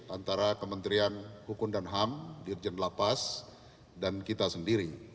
antara kementerian hukum dan ham dirjen lapas dan kita sendiri